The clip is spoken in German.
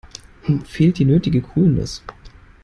Ihm fehlt die nötige Coolness.